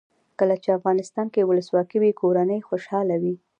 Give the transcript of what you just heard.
کله چې افغانستان کې ولسواکي وي کورنۍ خوشحاله وي.